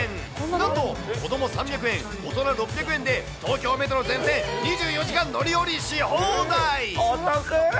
なんと子ども３００円、大人６００円で東京メトロ全線、２４時間乗り降りし放題。